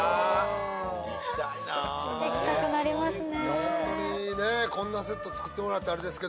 行きたくなりますね